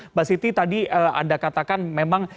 mbak siti tadi anda katakan memang